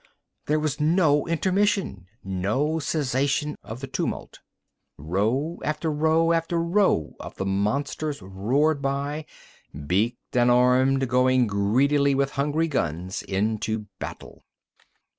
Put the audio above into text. There was no intermission, no cessation of the tumult. Row after row after row of the monsters roared by, beaked and armed, going greedily with hungry guns into battle.